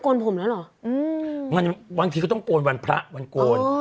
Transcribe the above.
โกนผมแล้วหรออืมมันบางทีเขาต้องโกนวันพระวันโกนอ๋อ